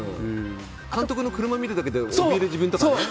監督の車を見ただけでおびえる自分とかね。